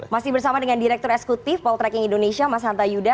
masih bersama dengan direktur eksekutif poltreking indonesia mas hanta yuda